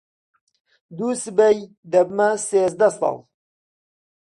دووسبەی دەبمە سێزدە ساڵ.